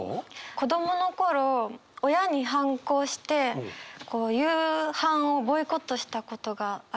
子どもの頃親に反抗して夕飯をボイコットしたことがありまして。